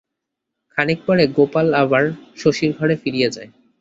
খানিক পরে গোপাল আবার শশীর ঘরে ফিরিয়া যায়।